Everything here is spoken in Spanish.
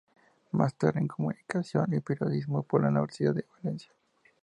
Máster en Comunicación y Periodismo por la Universidad de Valencia.